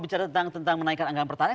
bicara tentang menaikkan anggaran pertahanan